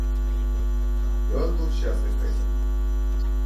И он был счастлив этим.